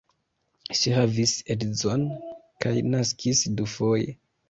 Ŝi havis edzon kaj naskis dufoje.